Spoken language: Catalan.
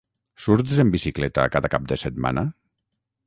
Surts en bicicleta cada cap de setmana?